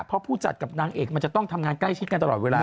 เพราะผู้จัดกับนางเอกมันจะต้องทำงานใกล้ชิดกันตลอดเวลา